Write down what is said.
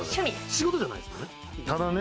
仕事じゃないですもんね。